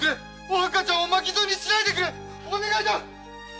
お若ちゃんを巻き添えにしないでくれお願いだ。